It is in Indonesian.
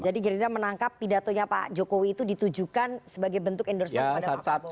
jadi girindra menangkap pidatonya pak jokowi itu ditujukan sebagai bentuk endorsement pada pak prabowo